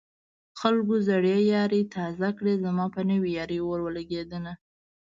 خلکو زړې يارۍ تازه کړې زما په نوې يارۍ اور ولګېدنه